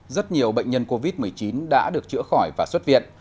rất nhiều bệnh nhân covid một mươi chín đã được chữa khỏi và xuất viện